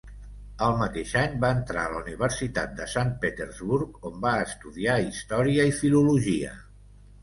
El mateix any va entrar a la Universitat de Sant Petersburg, on va estudiar història i filologia.